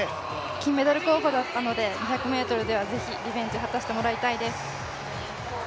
金メダル候補だったので、２００ｍではぜひリベンジを果たしてもらいたいです。